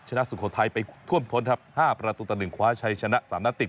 ชนะสุโขทัยไปท่วมท้นครับ๕ประตูตะหนึ่งขวาชัยชนะสามนาติก